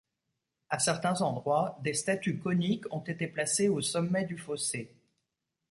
À certains endroits, des statues coniques ont été placées au sommet du fossé.